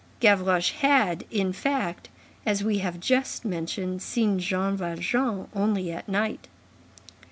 Gavroche had, in fact, as we have just mentioned, seen Jean Valjean only at night.